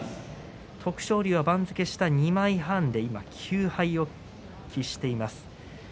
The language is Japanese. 徳勝龍は番付下２枚半で今、９敗を喫しています。